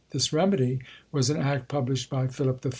This remedy was an act published by Philip III.